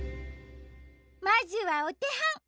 まずはおてほん！